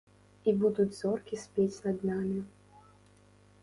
І будуць зоркі спець над намі.